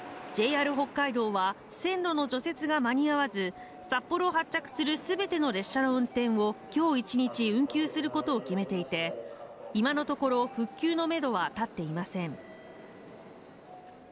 ＪＲ北海道は線路の除雪が間に合わず、札幌を発着するすべての列車の運転を今日一日、運休することを決めていて、今のところ、復旧のめどは立っていません。